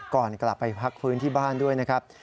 ก่อนกลับไปพักฟื้นที่บ้านด้วยนะครับ